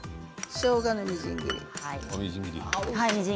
しょうがのみじん切りです。